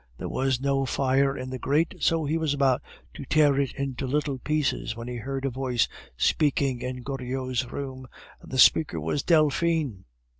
There was no fire in the grate, so he was about to tear it into little pieces, when he heard a voice speaking in Goriot's room, and the speaker was Delphine!